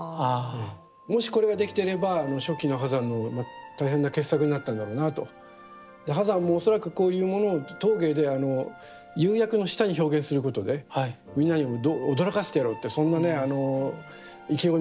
もしこれができていれば初期の波山の大変な傑作になったんだろうなと。で波山も恐らくこういうものを陶芸で釉薬の下に表現することでみんなを驚かしてやろうってそんなね意気込みもあったと思いますけれども。